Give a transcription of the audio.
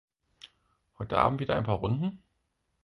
Heute Abend wieder ein paar Runden?